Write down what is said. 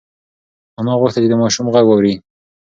انا غوښتل چې د ماشوم غږ واوري.